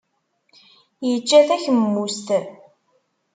Yečča takemust.